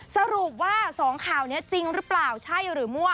สรุปว่า๒ข่าวนี้จริงหรือเปล่าใช่หรือมั่ว